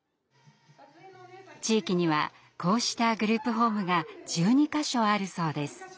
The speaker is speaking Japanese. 地域にはこうしたグループホームが１２か所あるそうです。